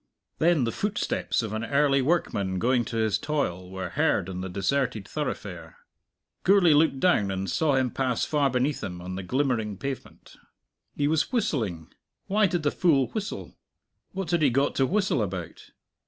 Then the footsteps of an early workman going to his toil were heard in the deserted thoroughfare. Gourlay looked down and saw him pass far beneath him on the glimmering pavement. He was whistling. Why did the fool whistle? What had he got to whistle about?